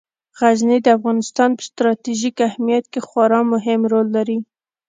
غزني د افغانستان په ستراتیژیک اهمیت کې خورا مهم رول لري.